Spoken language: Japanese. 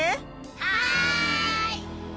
はい！